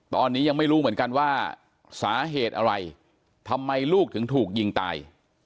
ตอนนี้ยังไม่รู้เหมือนกันว่าสาเหตุอะไรทำไมลูกถึงถูกยิงตาย